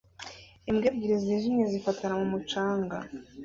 Imbwa ebyiri zijimye zifatana mu mucanga